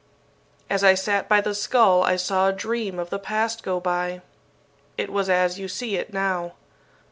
"As I sat by the skull I saw a dream of the past go by. It was as you see it now.